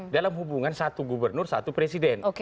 dalam hubungan satu gubernur satu presiden